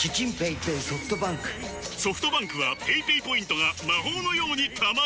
ソフトバンクはペイペイポイントが魔法のように貯まる！